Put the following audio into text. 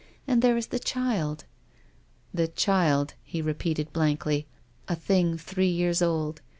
And there is the child " "The child," he repeated blankly. "A thing three years old.